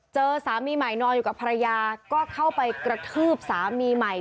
เจอสามีใหม่นอนอยู่กับภรรยาก็เข้าไปกระทืบสามีใหม่